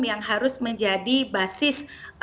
yang harus menjadi basis